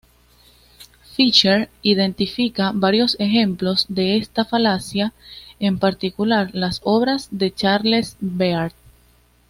Fischer identifica varios ejemplos de esta falacia, en particular las obras de Charles Beard.